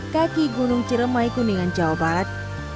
kaki gunung ciremaiku dengan jawa barat